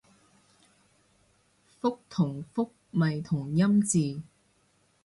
覆同復咪同音字